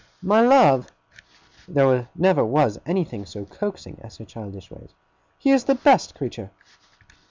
'My love!' (There never was anything so coaxing as her childish ways.) 'He is the best creature!